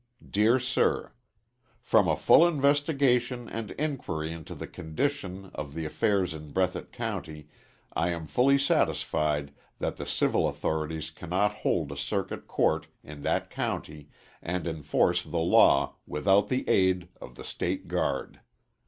Dear Sir: From a full investigation and inquiry into the condition of the affairs in Breathitt County, I am fully satisfied that the civil authorities cannot hold a circuit court in that county and enforce the law without the aid of the State Guard.